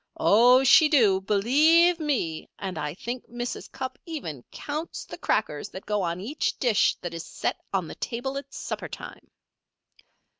Oh, she do believe me! And I think Mrs. Cupp even counts the crackers that go on each dish that is set on the table at supper time.